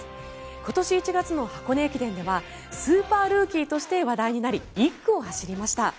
今年１月の箱根駅伝ではスーパールーキーとして話題となり１区を走りました。